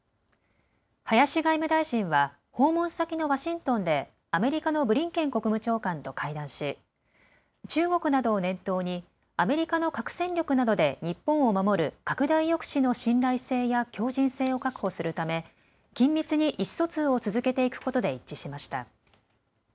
林外務大臣は訪問先のワシントンでアメリカのブリンケン国務長官と会談し、中国などを念頭にアメリカの核戦力などで日本を守る拡大抑止の信頼性や強じん性を確保するため緊密に意思疎通を続けていくことで一致しました。